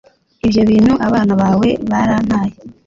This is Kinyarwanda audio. ibyo bintu abana bawe barantaye